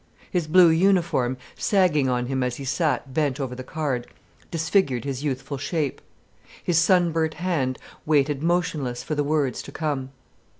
His blue uniform, sagging on him as he sat bent over the card, disfigured his youthful shape. His sunburnt hand waited motionless for the words to come.